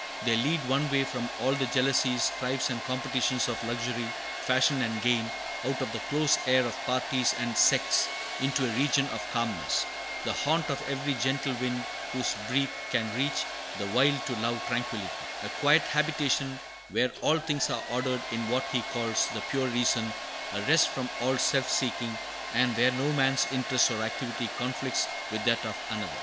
They lead one away from all the jealousies, strifes, and competitions of luxury, fashion, and gain, out of the close air of parties and sects, into a region of calmness, "The haunt Of every gentle wind whose breath can teach The wild to love tranquillity," a quiet habitation where all things are ordered in what he calls "the pure reason;" a rest from all self seeking, and where no man's interest or activity conflicts with that of another.